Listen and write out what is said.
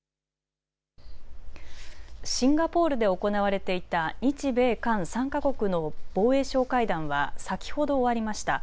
シンガポールで行われていた日米韓３か国の防衛相会談は先ほど終わりました。